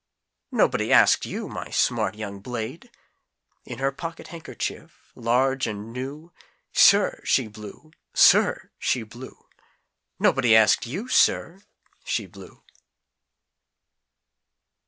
"Nobody asked you, my smart young Blade!" In her pocket handkerchief, large and new, "Sir!" she blew, "Sir!" she blew, "Nobody asked you, sir!" she blew.